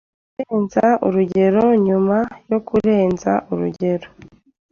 kurenza urugero nyuma yo kurenza urugero